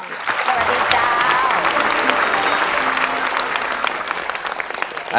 สวัสดีครับ